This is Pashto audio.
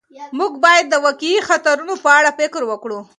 موږ باید د واقعي خطرونو په اړه فکر وکړو.